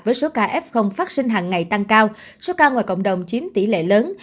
với số ca f phát sinh hàng ngày tăng cao số ca ngoài cộng đồng chiếm tỷ lệ lớn